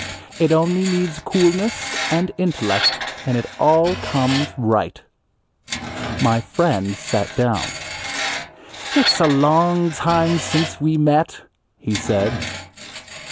It only needs coolness and intellect, and it all comes right. My friend sat down. "It's a long time since we met," he said.